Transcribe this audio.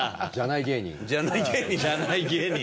じゃない芸人。